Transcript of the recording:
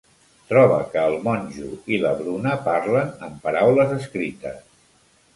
Troba que el monjo i la Bruna parlen amb paraules escrites.